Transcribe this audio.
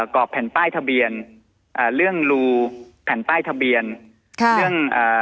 อกแผ่นป้ายทะเบียนอ่าเรื่องรูแผ่นป้ายทะเบียนค่ะเรื่องอ่า